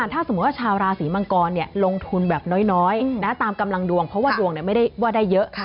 ถ้าสมมุติว่าชาวราศีมังกรลงทุนแบบน้อยตามกำลังดวงเพราะว่าดวงไม่ได้ว่าได้เยอะ